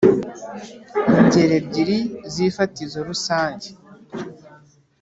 ingeri ebyiri z’ifatizo rusange